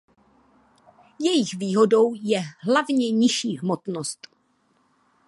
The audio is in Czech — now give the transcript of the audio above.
Jejich výhodou je hlavně nižší hmotnost.